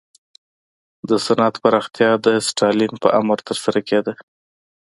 د صنعت پراختیا د ستالین په امر ترسره کېده.